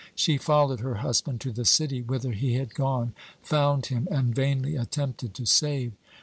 She followed her husband to the city whither he had gone, found him, and vainly attempted to save.